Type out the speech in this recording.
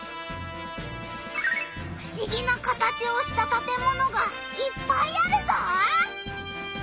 ふしぎな形をしたたてものがいっぱいあるぞ！